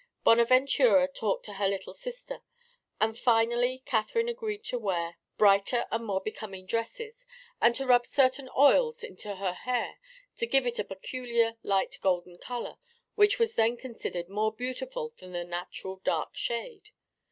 Bonaventura talked to her little sister, and finally Catherine agreed to wear brighter and more becoming dresses and to rub certain oils into her hair to give it a peculiar light golden color which was then considered more beautiful than the natural dark shade.